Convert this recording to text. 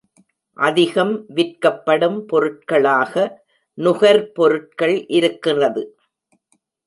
அதிகம் விற்கப்படும் பொருட்களாக நுகர்பொருட்கள் இருக்கிறது.